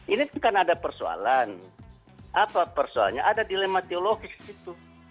ini kan ada persoalan apa persoalannya ada dilema teologis itu